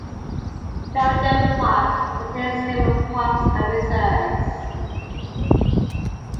Ferryden Park contains several parks and reserves.